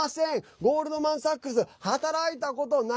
ゴールドマンサックス働いたことない。